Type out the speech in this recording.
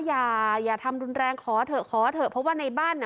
อย่าอย่าทำรุนแรงขอเถอะขอเถอะเพราะว่าในบ้านอ่ะ